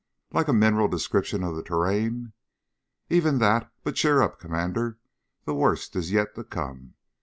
"Like a mineral description of the terrain?" "Even that. But cheer up, Commander. The worst is yet to come."